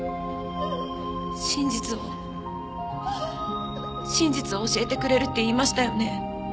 真実を真実を教えてくれるって言いましたよね？